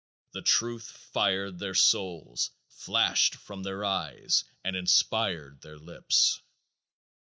The truth fired their souls, flashed from their eyes, and inspired their lips.